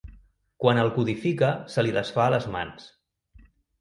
Quan el codifica se li desfà a les mans.